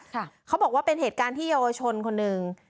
เขาบอกว่าเป็นเหตุการณ์ที่เยาวชนคนหนึ่ง